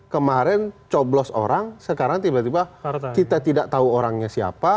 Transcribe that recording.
kemarin coblos orang sekarang tiba tiba kita tidak tahu orangnya siapa